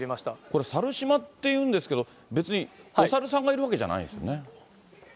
これ猿島っていうんですけれども、別にお猿さんがいるわけじゃないんですよね？